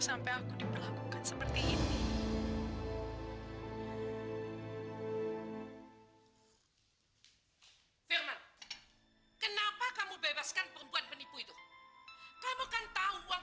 sampai jumpa di video selanjutnya